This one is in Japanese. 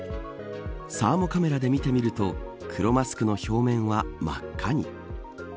サーモカメラで見てみると黒マスクの表面は真っ赤に。